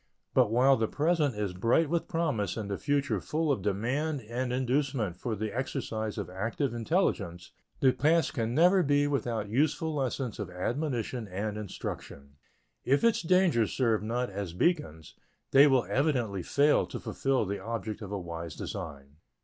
But while the present is bright with promise and the future full of demand and inducement for the exercise of active intelligence, the past can never be without useful lessons of admonition and instruction. If its dangers serve not as beacons, they will evidently fail to fulfill the object of a wise design.